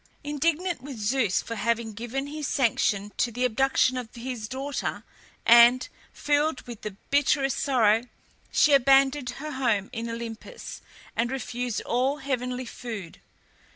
Indignant with Zeus for having given his sanction to the abduction of his daughter, and filled with the bitterest sorrow, she abandoned her home in Olympus, and refused all heavenly food.